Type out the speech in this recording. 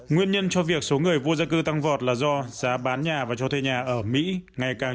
nguyên nhân cho việc số người vô gia cư tăng vọt là do giá bán nhà và cho thuê nhà ở mỹ ngày càng